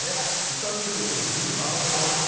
歌ってる後ろでぐるぐる回ってもらうとか。